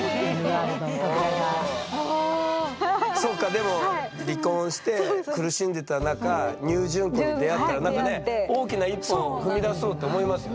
でも離婚して苦しんでた中ＮＥＷ淳子に出会ったらなんかね大きな一歩を踏み出そうと思いますよね？